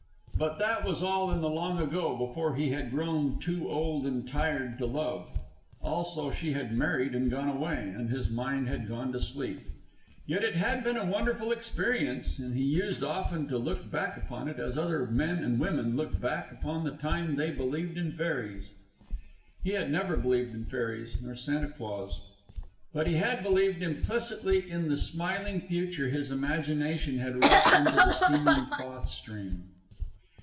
But that was all in the long ago, before he had grown too old and tired to love. Also, she had married and gone away, and his mind had gone to sleep. Yet it had been a wonderful experience, and he used often to look back upon it as other men and women look back upon the time they believed in fairies. He had never believed in fairies nor Santa Claus; but he had believed implicitly in the smiling future his imagination had wrought into the steaming cloth stream.